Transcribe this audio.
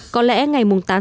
có lẽ ngày mùng tám tháng ba